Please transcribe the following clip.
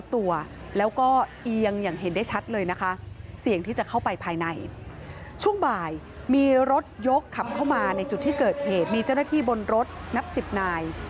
เกิดเหตุมีเจ้าหน้าที่บนรถนับสิบนาย